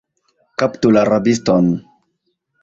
Kaptu la rabiston!